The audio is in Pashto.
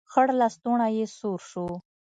خړ لستوڼی يې سور شو.